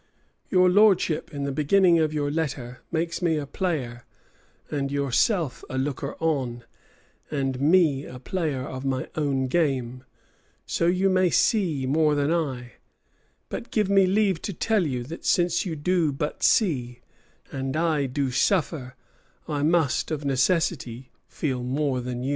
Your lordship, in the beginning of your letter, makes me a player, and yourself a looker on: and me a player of my own game, so you may see more than I: but give me leave to tell you, that since you do but see, and I do suffer, I must of necessity feel more than you."